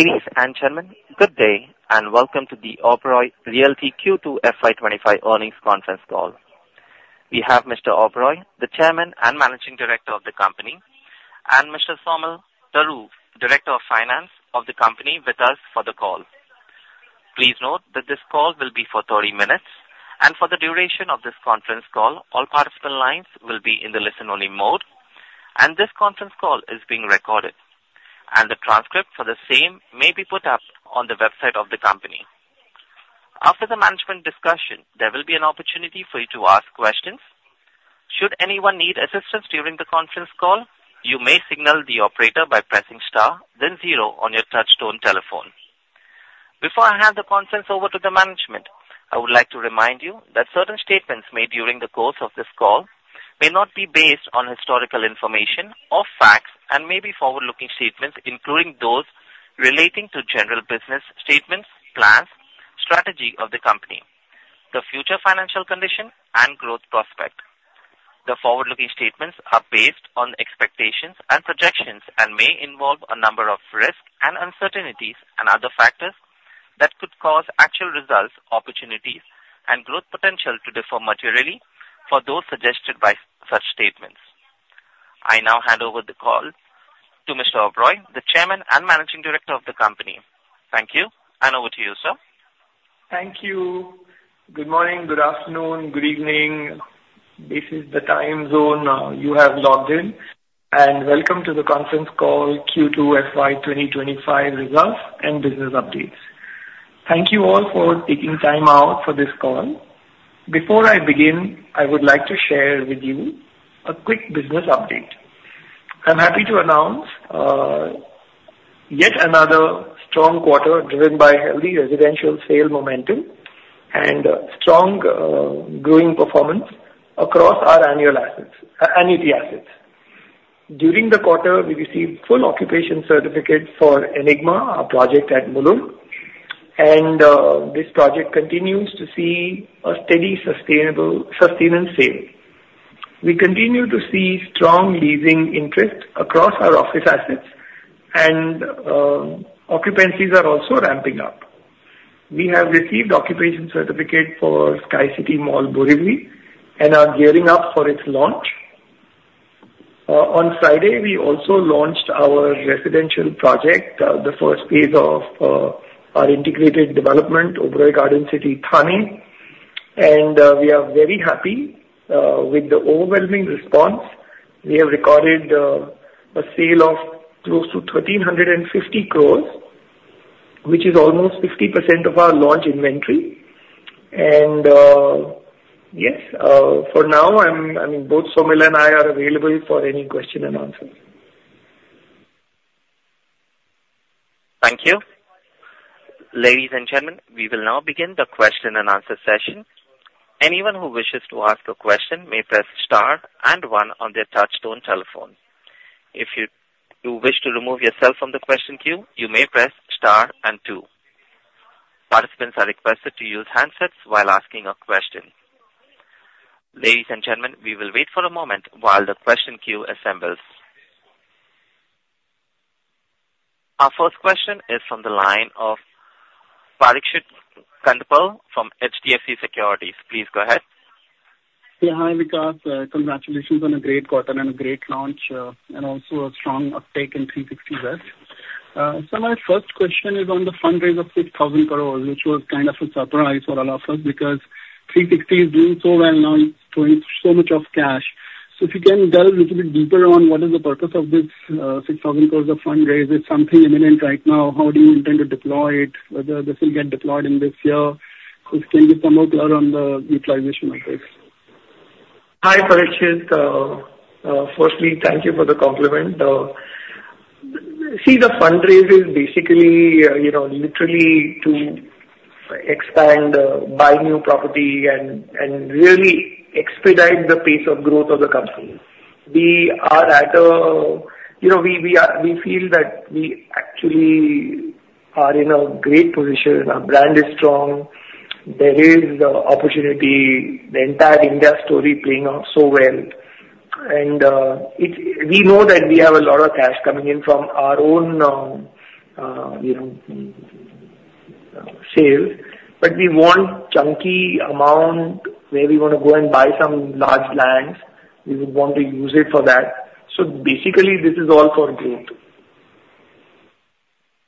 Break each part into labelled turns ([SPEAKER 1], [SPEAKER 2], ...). [SPEAKER 1] Ladies and gentlemen, good day, and welcome to the Oberoi Realty Q2 FY 2025 earnings conference call. We have Mr. Oberoi, the Chairman and Managing Director of the company, and Mr. Saumil Daru, Director of Finance of the company, with us for the call. Please note that this call will be for 30 minutes, and for the duration of this conference call, all participant lines will be in the listen-only mode, and this conference call is being recorded, and the transcript for the same may be put up on the website of the company. After the management discussion, there will be an opportunity for you to ask questions. Should anyone need assistance during the conference call, you may signal the operator by pressing star then zero on your touchtone telephone. Before I hand the conference over to the management, I would like to remind you that certain statements made during the course of this call may not be based on historical information or facts and may be forward-looking statements, including those relating to general business statements, plans, strategy of the company, the future financial condition and growth prospect. The forward-looking statements are based on expectations and projections and may involve a number of risks and uncertainties and other factors that could cause actual results, opportunities, and growth potential to differ materially from those suggested by such statements. I now hand over the call to Mr. Oberoi, the Chairman and Managing Director of the company. Thank you, and over to you, sir.
[SPEAKER 2] Thank you. Good morning, good afternoon, good evening. This is the time zone you have logged in, and welcome to the conference call Q2 FY 2025 results and business updates. Thank you all for taking time out for this call. Before I begin, I would like to share with you a quick business update. I'm happy to announce yet another strong quarter driven by healthy residential sale momentum and strong growing performance across our annuity assets. During the quarter, we received full occupation certificate for Enigma, our project at Mulund, and this project continues to see a steady, sustainable, sustained in sale. We continue to see strong leasing interest across our office assets, and occupancies are also ramping up. We have received occupation certificate for Sky City Mall, Borivali, and are gearing up for its launch. On Friday, we also launched our residential project, the first phase of our integrated development, Oberoi Garden City Thane, and we are very happy with the overwhelming response. We have recorded a sale of close to 1,350 crores, which is almost 50% of our launch inventory. Yes, for now, I mean, both Saumil and I are available for any questions and answers.
[SPEAKER 1] Thank you. Ladies and gentlemen, we will now begin the question and answer session. Anyone who wishes to ask a question may press star and one on their touchtone telephone. If you wish to remove yourself from the question queue, you may press star and two. Participants are requested to use handsets while asking a question. Ladies and gentlemen, we will wait for a moment while the question queue assembles. Our first question is from the line of Parikshit Kandpal from HDFC Securities. Please go ahead.
[SPEAKER 3] Yeah. Hi, Vikas. Congratulations on a great quarter and a great launch, and also a strong uptake in 360 West. So my first question is on the fundraise of 6,000 crores, which was kind of a surprise for all of us, because 360 is doing so well now, it's throwing so much of cash. So if you can delve a little bit deeper on what is the purpose of this, 6,000 crores of fundraise? Is it something imminent right now? How do you intend to deploy it, whether this will get deployed in this year? Could you be some more clear on the utilization of this?
[SPEAKER 2] Hi, Parikshit. Firstly, thank you for the compliment. See, the fundraise is basically, you know, literally to expand, buy new property and really expedite the pace of growth of the company. We are at a... You know, we feel that we actually are in a great position. Our brand is strong. There is the opportunity, the entire India story playing out so well. And it's we know that we have a lot of cash coming in from our own, you know, sales, but we want chunky amount where we want to go and buy some large lands. We would want to use it for that. So basically, this is all for growth.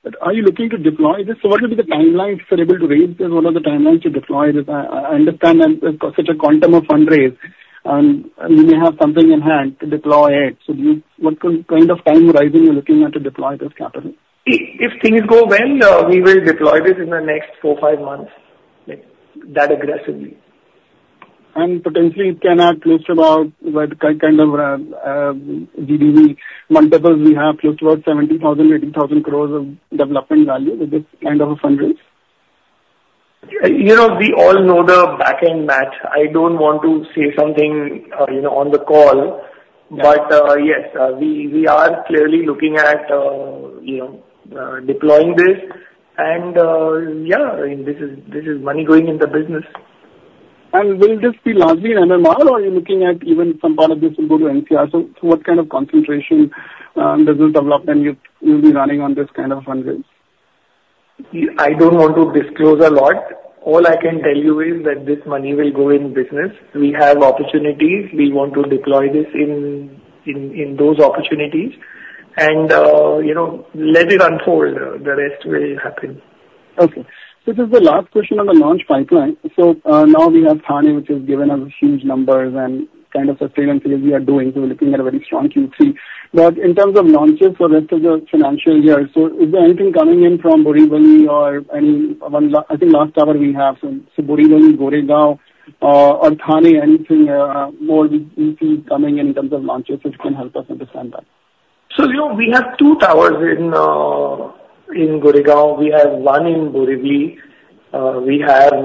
[SPEAKER 3] But are you looking to deploy this? So what will be the timelines you're able to raise this? What are the timelines to deploy this? I, I understand that such a quantum of fundraise, you may have something in hand to deploy it. So do you, what kind of time horizon are you looking at to deploy this capital?
[SPEAKER 2] If things go well, we will deploy this in the next four, five months, like, that aggressively.
[SPEAKER 3] And potentially, it can add close to about what kind of GDV multiples we have, close to about 70,000-80,000 crores of development value with this kind of a fundraise?
[SPEAKER 2] You know, we all know the backend math. I don't want to say something, you know, on the call.
[SPEAKER 3] Yeah.
[SPEAKER 2] Yes, we are clearly looking at, you know, deploying this and, yeah, I mean, this is money going in the business.
[SPEAKER 3] And will this be largely in MMR, or are you looking at even some part of this will go to NCR? So, so what kind of concentration does this development you, you'll be running on this kind of funds with?
[SPEAKER 2] I don't want to disclose a lot. All I can tell you is that this money will go in business. We have opportunities. We want to deploy this in those opportunities, and you know, let it unfold. The rest will happen.
[SPEAKER 3] Okay. This is the last question on the launch pipeline. So, now we have Thane, which has given us huge numbers and kind of the sales that we are doing, so we're looking at a very strong Q3. But in terms of launches for the rest of the financial year, so is there anything coming in from Borivali or any, I think last tower we have, so Borivali, Goregaon, or Thane, anything more we see coming in terms of launches, which can help us understand that?
[SPEAKER 2] So, you know, we have two towers in Goregaon. We have one in Borivali. We have,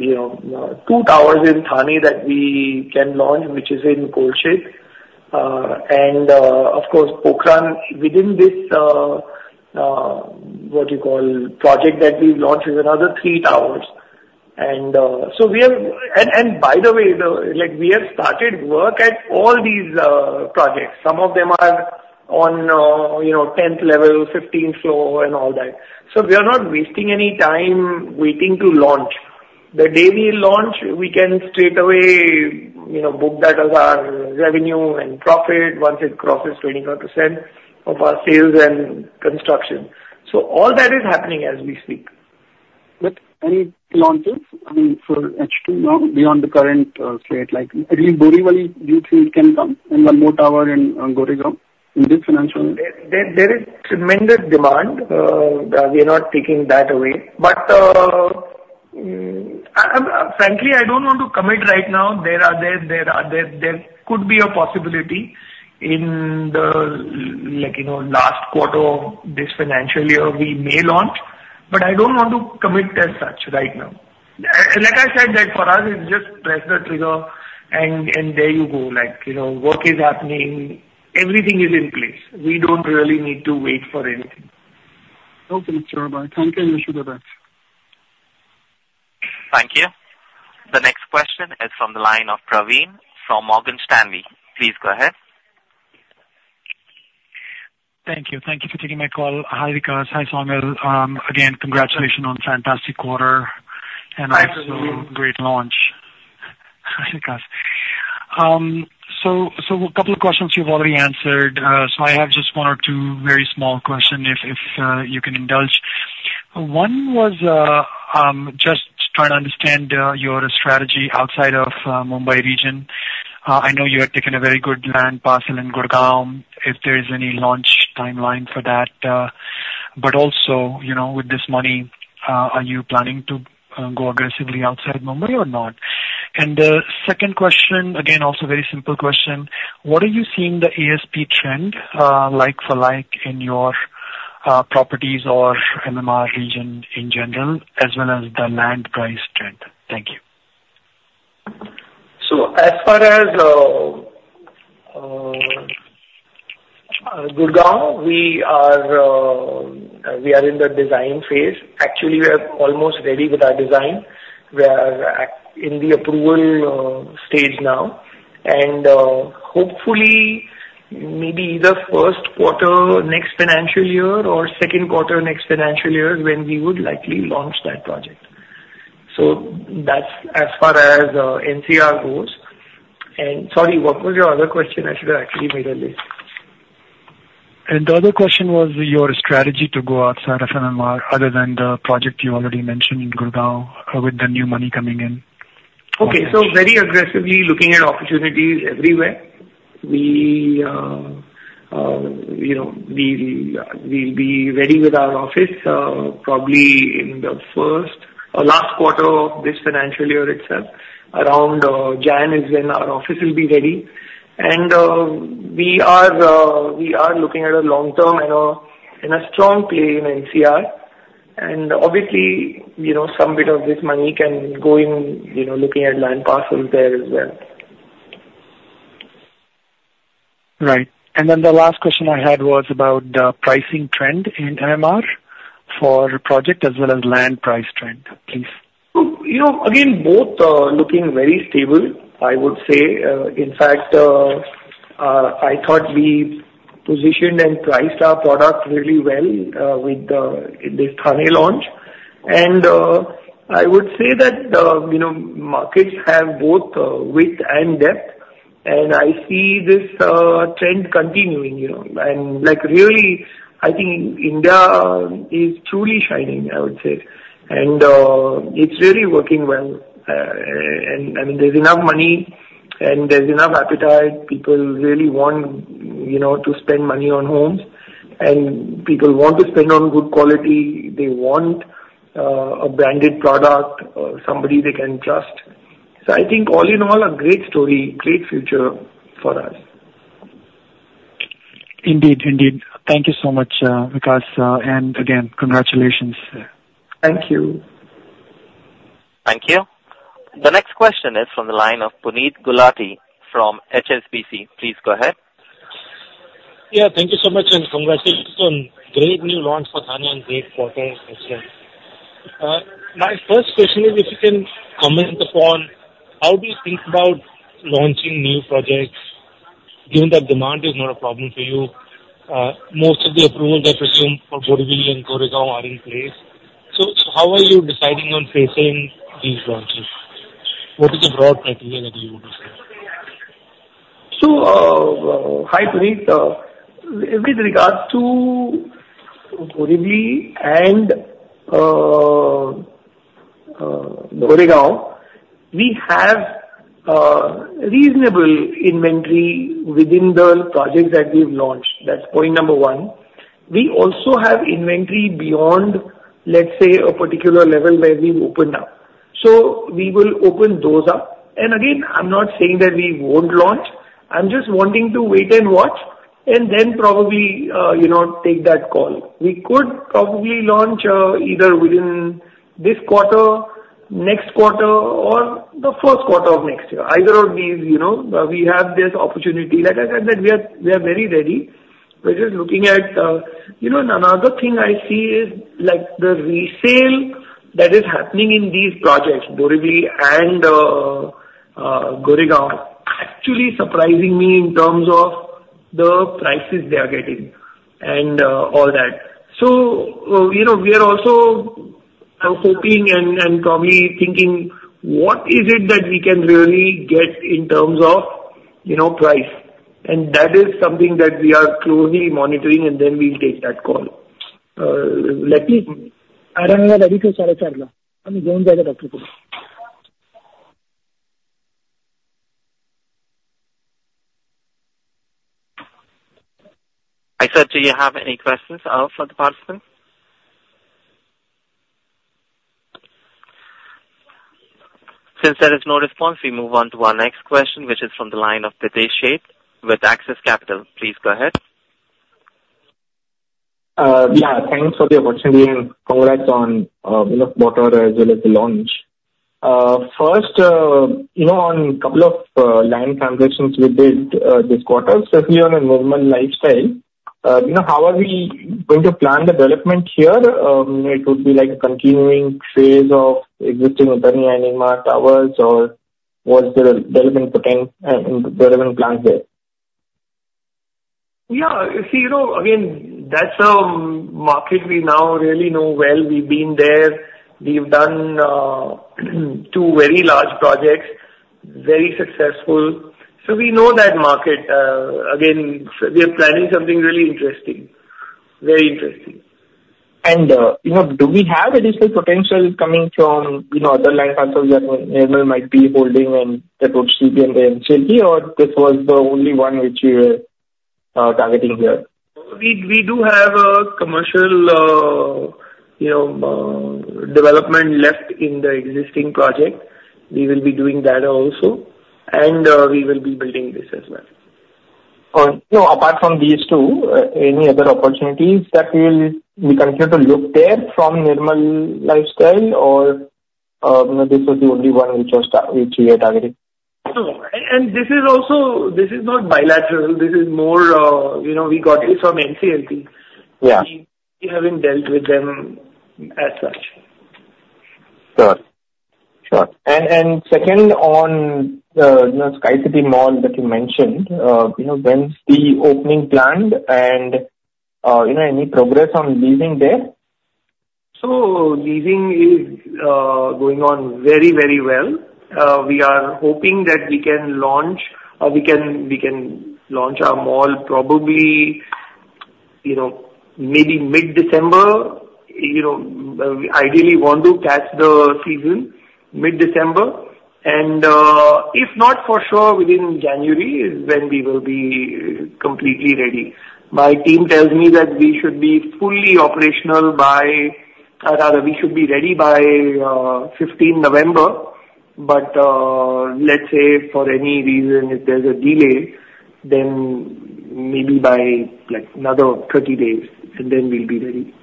[SPEAKER 2] you know, two towers in Thane that we can launch, which is in Kolshet. And of course, Pokhran, within this what you call project that we've launched, is another three towers. And by the way, like, we have started work at all these projects. Some of them are on, you know, tenth level, fifteenth floor, and all that. So we are not wasting any time waiting to launch. The day we launch, we can straightaway, you know, book that as our revenue and profit once it crosses 25% of our sales and construction. So all that is happening as we speak.
[SPEAKER 3] But any launches, I mean, for H2 now, beyond the current slate? Like in Borivali, do you think can come, and one more tower in Goregaon in this financial year?
[SPEAKER 2] There is tremendous demand. We are not taking that away. But, frankly, I don't want to commit right now. There could be a possibility in the last quarter of this financial year, we may launch, but I don't want to commit as such right now. Like I said, that for us, it's just press the trigger and there you go, like, you know, work is happening, everything is in place. We don't really need to wait for anything.
[SPEAKER 3] Okay, sure. Bye. Thank you, and wish you the best.
[SPEAKER 1] Thank you. The next question is from the line of Praveen from Morgan Stanley. Please go ahead.
[SPEAKER 4] Thank you. Thank you for taking my call. Hi, Vikas. Hi, Saumil. Again, congratulations on fantastic quarter-
[SPEAKER 2] Hi, Praveen.
[SPEAKER 4] -and also great launch. Hi, Vikas. So, so a couple of questions you've already answered. So I have just one or two very small question, if, if, you can indulge. One was, just trying to understand, your strategy outside of, Mumbai region. I know you have taken a very good land parcel in Gurgaon, if there is any launch timeline for that, but also, you know, with this money, are you planning to, go aggressively outside Mumbai or not? And, second question, again, also very simple question: What are you seeing the ASP trend, like for like, in your, properties or MMR region in general, as well as the land price trend? Thank you.
[SPEAKER 2] So as far as Gurgaon, we are in the design phase. Actually, we are almost ready with our design. We are in the approval stage now. And hopefully, maybe the first quarter, next financial year or second quarter, next financial year, when we would likely launch that project. So that's as far as NCR goes. And sorry, what was your other question? I should have actually made a list.
[SPEAKER 4] And the other question was your strategy to go outside of MMR, other than the project you already mentioned in Gurgaon, with the new money coming in?
[SPEAKER 2] Okay. So very aggressively looking at opportunities everywhere. We, you know, we'll be ready with our office probably in the first or last quarter of this financial year itself. Around January is when our office will be ready. And we are looking at a long-term and in a strong play in NCR. And obviously, you know, some bit of this money can go in, you know, looking at land parcels there as well.
[SPEAKER 4] Right. And then the last question I had was about the pricing trend in MMR for project as well as land price trend, please?
[SPEAKER 2] So, you know, again, both looking very stable, I would say. In fact, I thought we positioned and priced our product really well within this Thane launch. And I would say that, you know, markets have both width and depth, and I see this trend continuing, you know. And like, really, I think India is truly shining, I would say. And it's really working well. And there's enough money, and there's enough appetite. People really want, you know, to spend money on homes, and people want to spend on good quality. They want a branded product or somebody they can trust. So I think all in all, a great story, great future for us.
[SPEAKER 4] Indeed, indeed. Thank you so much, Vikas, and again, congratulations.
[SPEAKER 2] Thank you.
[SPEAKER 1] Thank you. The next question is from the line of Puneet Gulati from HSBC. Please go ahead.
[SPEAKER 5] Yeah, thank you so much, and congratulations on great new launch for Thane and great quarter as well. My first question is if you can comment upon how do you think about launching new projects, given that demand is not a problem for you? Most of the approvals, I presume, for Borivali and Goregaon are in place. So how are you deciding on pacing these launches? What is the broad criterion that you would use?
[SPEAKER 2] So, hi, Puneet. With regards to Borivali and Goregaon, we have reasonable inventory within the projects that we've launched. That's point number one. We also have inventory beyond, let's say, a particular level where we've opened up. So we will open those up. And again, I'm not saying that we won't launch. I'm just wanting to wait and watch and then probably, you know, take that call. We could probably launch either within this quarter, next quarter, or the first quarter of next year. Either of these, you know, we have this opportunity. Like I said, that we are very ready. We're just looking at... You know, and another thing I see is, like, the resale that is happening in these projects, Borivali and Goregaon, actually surprising me in terms of the prices they are getting and all that. So, you know, we are also, I'm hoping and probably thinking, what is it that we can really get in terms of, you know, price? And that is something that we are closely monitoring, and then we'll take that call. Let me-
[SPEAKER 1] I said, do you have any questions for the participant? Since there is no response, we move on to our next question, which is from the line of Pritesh Sheth with Axis Capital. Please go ahead.
[SPEAKER 6] Yeah, thanks for the opportunity, and congrats on, you know, quarter as well as the launch. First, you know, on couple of land transactions you did, this quarter, especially on Nirmal Lifestyle, you know, how are we going to plan the development here? It would be like a continuing phase of existing Enigma towers or was there a development potential, development plan there?
[SPEAKER 2] Yeah, you see, you know, again, that's a market we now really know well. We've been there. We've done, two very large projects, very successful. So we know that market. Again, we are planning something really interesting. Very interesting.
[SPEAKER 6] And, you know, do we have additional potential coming from, you know, other land parcels that Nirmal might be holding, and that would be in the NCLT, or this was the only one which we are targeting here?
[SPEAKER 2] We do have a commercial, you know, development left in the existing project. We will be doing that also, and we will be building this as well.
[SPEAKER 6] You know, apart from these two, any other opportunities that we will be considered to look there from Nirmal Lifestyle or, you know, this is the only one which we are targeting?
[SPEAKER 2] This is not bilateral. This is more, you know, we got it from NCLT.
[SPEAKER 6] Yeah.
[SPEAKER 2] We haven't dealt with them as such.
[SPEAKER 6] Sure, sure. And second on, you know, Sky City Mall that you mentioned, you know, when is the opening planned and, you know, any progress on leasing there?
[SPEAKER 2] Leasing is going on very, very well. We are hoping that we can launch our mall probably, you know, maybe mid-December. You know, we ideally want to catch the season mid-December, and if not for sure, within January is when we will be completely ready. My team tells me that we should be fully operational by. Rather, we should be ready by fifteenth November, but let's say for any reason, if there's a delay, then maybe by, like, another thirty days, and then we'll be ready.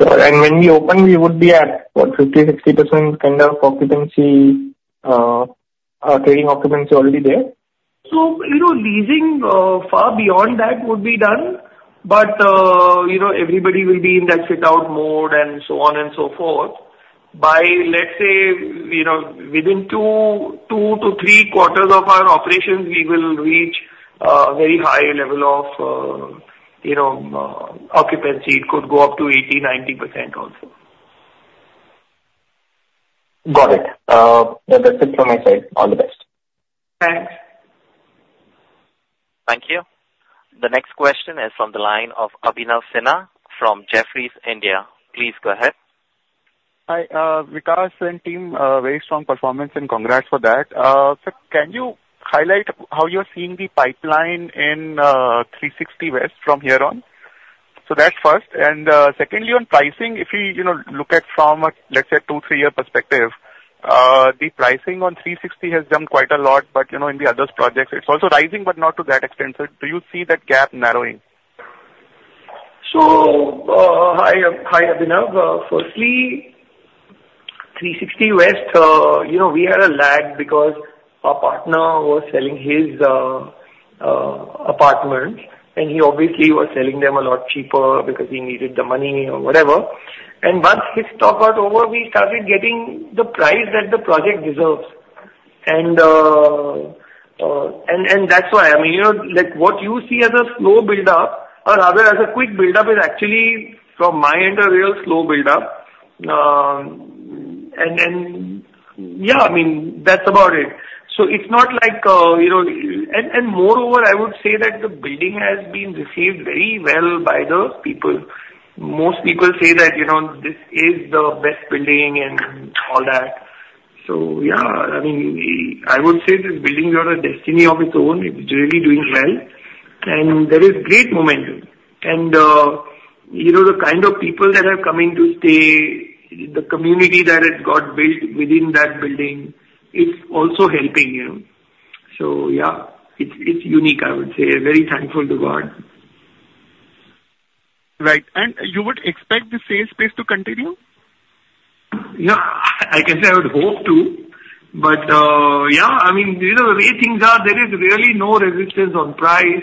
[SPEAKER 6] Sure. And when we open, we would be at, what, 50%-60% kind of occupancy, trading occupancy already there?
[SPEAKER 2] So, you know, leasing far beyond that would be done, but, you know, everybody will be in that fit-out mode and so on and so forth. By, let's say, you know, within two to three quarters of our operations, we will reach a very high level of occupancy. It could go up to 80%-90% also.
[SPEAKER 6] Got it. That's it from my side. All the best.
[SPEAKER 2] Thanks.
[SPEAKER 1] Thank you. The next question is from the line of Abhinav Sinha from Jefferies India. Please go ahead.
[SPEAKER 7] Hi, Vikas and team, very strong performance, and congrats for that. Sir, can you highlight how you are seeing the pipeline in 360 West from here on? So that's first. And secondly, on pricing, if you, you know, look at from a, let's say, two, three-year perspective, the pricing on 360 West has jumped quite a lot, but, you know, in the other projects it's also rising, but not to that extent. So do you see that gap narrowing?
[SPEAKER 2] So, hi, Abhinav. Firstly, 360 West, you know, we had a lag because our partner was selling his apartment, and he obviously was selling them a lot cheaper because he needed the money or whatever, and once his stock got over, we started getting the price that the project deserves. And that's why, I mean, you know, like, what you see as a slow build-up or rather as a quick build-up, is actually from my end, a real slow build-up. And yeah, I mean, that's about it. So it's not like, you know... And moreover, I would say that the building has been received very well by the people. Most people say that, you know, this is the best building and all that. So yeah, I mean, I would say this building is on a destiny of its own. It's really doing well, and there is great momentum, and you know, the kind of people that are coming to stay, the community that it got built within that building, it's also helping, you know, so yeah, it's unique, I would say. Very thankful to God.
[SPEAKER 7] Right. And you would expect the same space to continue?
[SPEAKER 2] Yeah, I can say I would hope to, but, yeah, I mean, you know, the way things are, there is really no resistance on price,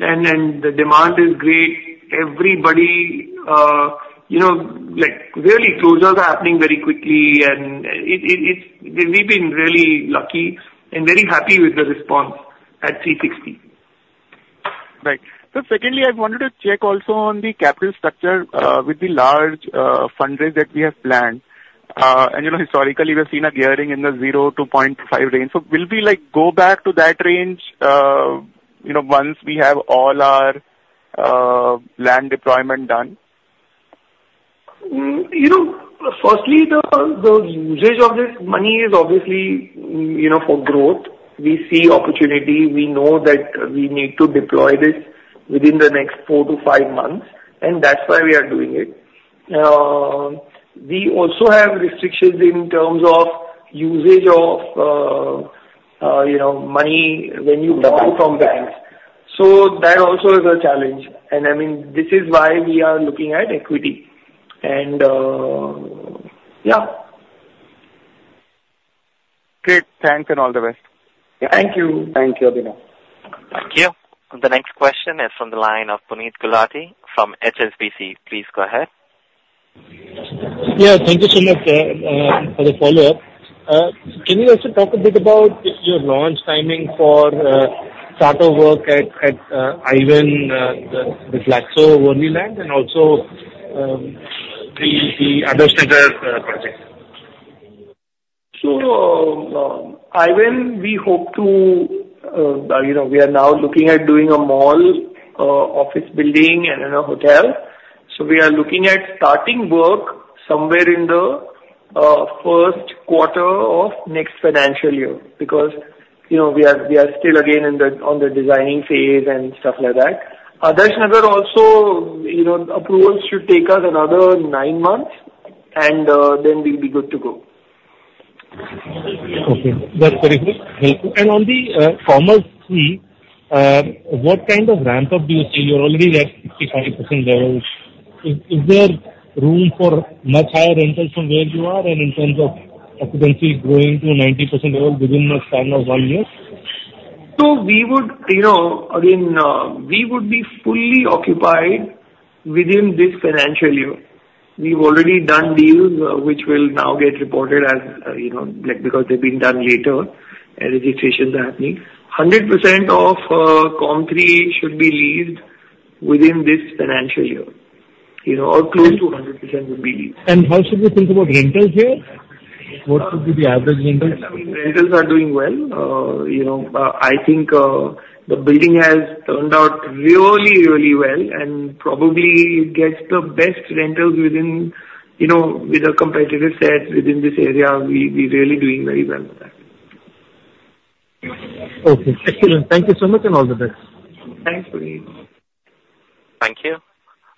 [SPEAKER 2] and the demand is great. Everybody, you know, like, really, closures are happening very quickly, and, it's we've been really lucky and very happy with the response at 360.
[SPEAKER 7] Right. So secondly, I wanted to check also on the capital structure, with the large, fundraise that we have planned. And you know, historically, we've seen a gearing in the zero to point five range. So will we, like, go back to that range, you know, once we have all our, land deployment done?
[SPEAKER 2] You know, firstly, the usage of this money is obviously, you know, for growth. We see opportunity. We know that we need to deploy this within the next four to five months, and that's why we are doing it. We also have restrictions in terms of usage of, you know, money when you borrow from banks.
[SPEAKER 7] Right.
[SPEAKER 2] So that also is a challenge. And, I mean, this is why we are looking at equity, and, yeah.
[SPEAKER 7] Great. Thanks and all the best.
[SPEAKER 2] Thank you. Thank you, Abhinav.
[SPEAKER 1] Thank you. The next question is from the line of Puneet Gulati from HSBC. Please go ahead.
[SPEAKER 5] Yeah, thank you so much. As a follow-up, can you also talk a bit about your launch timing for start of work at Glaxo, the Glaxo Worli land and also the Adarsh Nagar projects?
[SPEAKER 2] So, Glaxo, we hope to, you know, we are now looking at doing a mall, office building and another hotel. So we are looking at starting work somewhere in the first quarter of next financial year, because, you know, we are, we are still again in the on the designing phase and stuff like that. Adarsh Nagar also, you know, approvals should take us another nine months, and then we'll be good to go.
[SPEAKER 5] Okay. That's very good. Helpful. And on the Commerz III, what kind of ramp up do you see? You're already at 65% levels. Is there room for much higher rentals from where you are and in terms of occupancy growing to a 90% level within a span of one year?
[SPEAKER 2] So we would, you know, again, we would be fully occupied within this financial year. We've already done deals which will now get reported as, you know, like, because they've been done later and registrations are happening. 100% of Commerz III should be leased within this financial year, you know, or close to 100% would be leased.
[SPEAKER 5] How should we think about rentals here? What would be the average rentals?
[SPEAKER 2] Rentals are doing well. You know, I think the building has turned out really, really well, and probably gets the best rentals within, you know, with a competitive set within this area. We're really doing very well with that.
[SPEAKER 5] Okay. Thank you so much, and all the best.
[SPEAKER 2] Thanks, Puneet.
[SPEAKER 1] Thank you.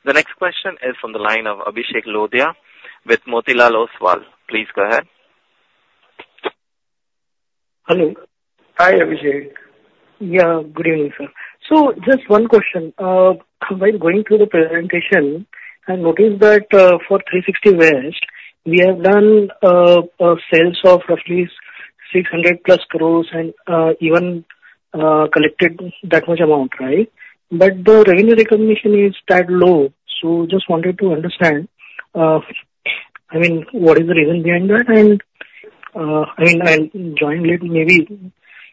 [SPEAKER 1] The next question is from the line of Abhishek Lodhiya, with Motilal Oswal. Please go ahead.
[SPEAKER 8] Hello.
[SPEAKER 2] Hi, Abhishek.
[SPEAKER 8] Yeah, good evening, sir. So just one question. While going through the presentation, I noticed that, for 360 West, we have done sales of at least 600+ crores and even collected that much amount, right? But the revenue recognition is that low. So just wanted to understand, I mean, what is the reason behind that? And jointly, maybe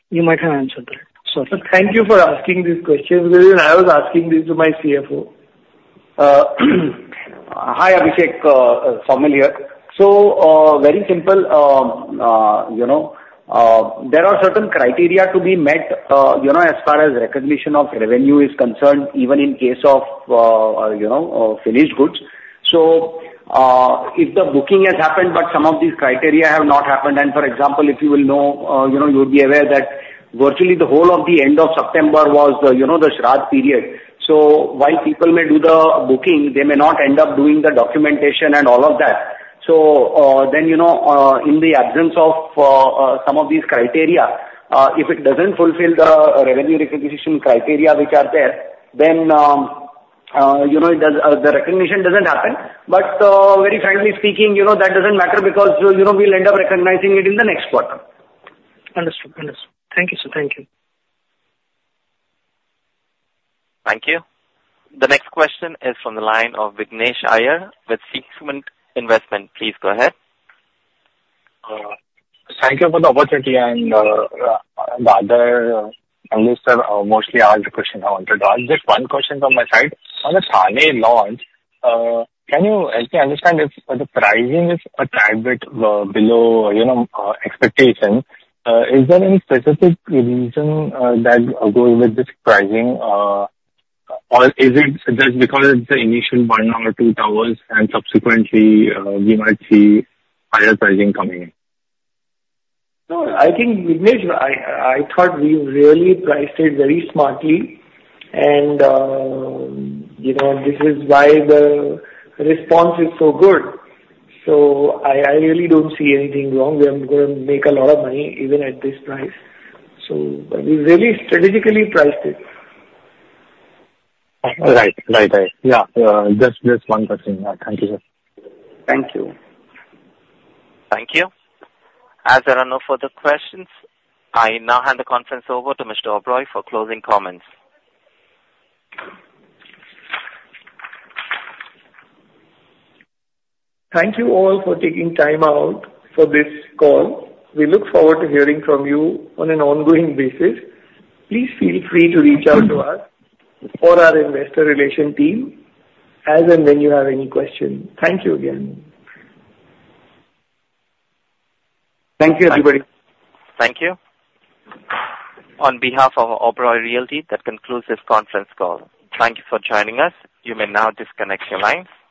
[SPEAKER 8] you might have answered that. Sorry.
[SPEAKER 2] Thank you for asking this question, because even I was asking this to my CFO.
[SPEAKER 9] Hi, Abhishek, Saumil here. So, very simple, you know, there are certain criteria to be met, you know, as far as recognition of revenue is concerned, even in case of, you know, finished goods. So, if the booking has happened, but some of these criteria have not happened, and for example, if you will know, you know, you would be aware that virtually the whole of the end of September was the, you know, the Shradh period. So while people may do the booking, they may not end up doing the documentation and all of that. You know, in the absence of some of these criteria, if it doesn't fulfill the revenue recognition criteria which are there, then you know, the recognition doesn't happen. But very frankly speaking, you know, that doesn't matter, because you know, we'll end up recognizing it in the next quarter.
[SPEAKER 10] Understood. Understood. Thank you, sir. Thank you.
[SPEAKER 1] Thank you. The next question is from the line of Vignesh Iyer with Sequent Investments. Please go ahead.
[SPEAKER 11] Thank you for the opportunity and, the other analyst mostly asked the question I wanted to ask. Just one question from my side. On the Thane launch, can you help me understand if the pricing is a tiny bit below, you know, expectation? Is there any specific reason that goes with this pricing or is it just because it's the initial one or two towers and subsequently we might see higher pricing coming in?
[SPEAKER 2] No, I think, Vignesh, I thought we really priced it very smartly, and, you know, this is why the response is so good, so I really don't see anything wrong. We are gonna make a lot of money even at this price, so we really strategically priced it.
[SPEAKER 11] Right. Right, right. Yeah. Just one question. Thank you, sir.
[SPEAKER 2] Thank you.
[SPEAKER 1] Thank you. As there are no further questions, I now hand the conference over to Mr. Oberoi for closing comments.
[SPEAKER 2] Thank you all for taking time out for this call. We look forward to hearing from you on an ongoing basis. Please feel free to reach out to us or our investor relation team as and when you have any questions. Thank you again.
[SPEAKER 5] Thank you, everybody.
[SPEAKER 1] Thank you. On behalf of Oberoi Realty, that concludes this conference call. Thank you for joining us. You may now disconnect your line.